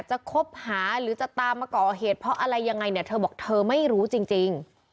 คบหาหรือจะตามมาก่อเหตุเพราะอะไรยังไงเนี่ยเธอบอกเธอไม่รู้จริง